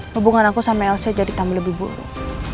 hubungan aku sama elsa jadi tamu lebih buruk